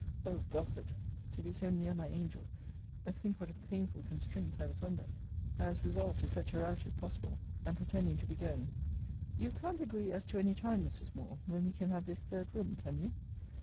O Belford! to be so near my angel, think what a painful constraint I was under. I was resolved to fetch her out, if possible: and pretending to be going you can't agree as to any time, Mrs. Moore, when we can have this third room, can you?